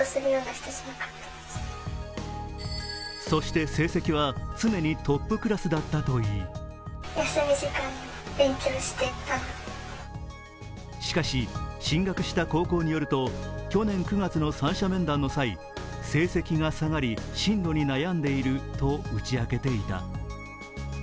そして、成績は常にトップクラスだったといいしかし、進学した高校によると去年９月の三者面談の際、成績が下がり進路に悩んでいると打ち明けていた。